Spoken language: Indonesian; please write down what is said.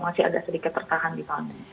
masih agak sedikit tertahan di bawah